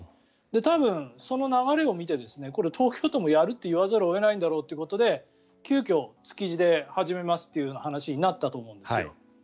多分、その流れを見てこれは東京都もやるって言わざるを得ないんだろうということで急きょ、築地で始めますという話になったと思うんですよ。